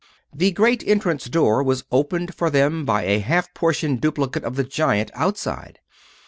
The great entrance door was opened for them by a half portion duplicate of the giant outside.